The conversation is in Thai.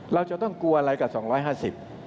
เราจะต้องกลัวอะไรกับ๒๕๐